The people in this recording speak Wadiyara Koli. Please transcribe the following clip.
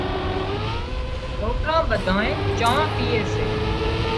سوڪران ٻڌانئين چانه پيئي سي